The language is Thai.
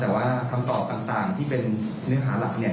แต่ว่าคำตอบต่างที่เป็นเนื้อหาหลักเนี่ย